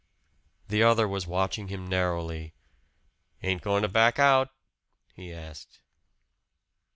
The other was watching him narrowly. "Ain't going to back out?" he asked.